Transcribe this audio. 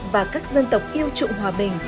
và các dân tộc yêu trụ hòa bình